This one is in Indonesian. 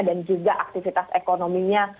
dan juga aktivitas ekonominya